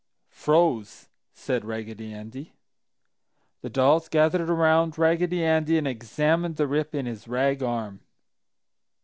"Froze!" said Raggedy Andy. The dolls gathered around Raggedy Andy and examined the rip in his rag arm.